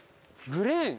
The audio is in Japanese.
「グレーン」？